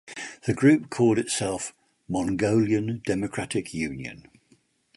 The group called itself Mongolian Democratic Union.